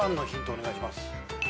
お願いします。